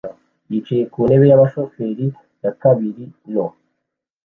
yicaye ku ntebe yabashoferi ya kabari nto